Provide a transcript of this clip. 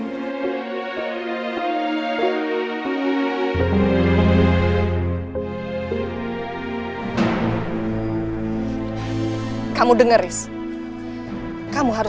perasaan yang dari dulu